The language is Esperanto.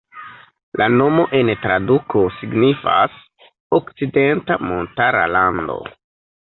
La nomo en traduko signifas "Okcidenta Montara Lando".